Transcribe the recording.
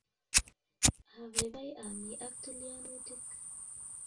Abaibai ami ak tilianutik